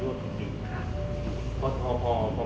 มันประกอบกันแต่ว่าอย่างนี้แห่งที่